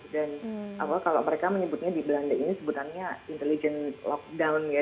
dan kalau mereka menyebutnya di belanda ini sebutannya intelligent lockdown ya